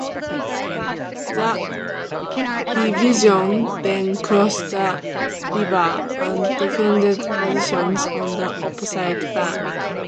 The division then crossed the river and defended positions on the opposite bank.